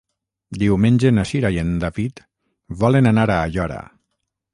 Diumenge na Cira i en David volen anar a Aiora.